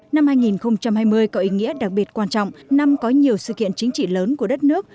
năm hai nghìn hai mươi có ý nghĩa đặc biệt quan trọng năm có nhiều sự kiện chính trị lớn của đất nước